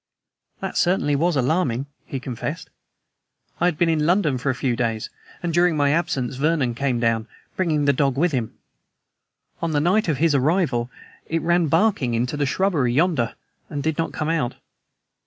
"That, certainly, was alarming," he confessed. "I had been in London for a few days, and during my absence Vernon came down, bringing the dog with him. On the night of his arrival it ran, barking, into the shrubbery yonder, and did not come out.